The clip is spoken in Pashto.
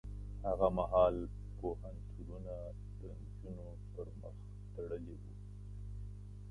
هغه مهال پوهنتونونه د نجونو پر مخ تړلي وو.